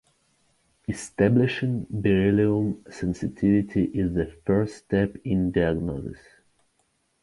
Establishing beryllium sensitivity is the first step in diagnosis.